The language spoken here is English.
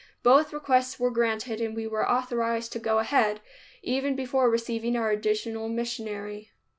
Both requests were granted and we were authorized to go ahead, even before receiving our additional missionary.